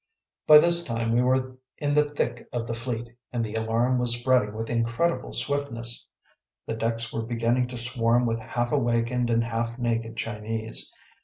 By this time we were in the thick of the fleet, and the alarm was spreading with incredible swiftness. The decks were beginning to swarm with half awakened and half naked Chinese.